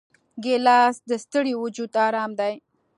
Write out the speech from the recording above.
ګیلاس د ستړي وجود آرام دی.